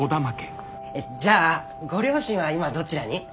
じゃあご両親は今どちらに？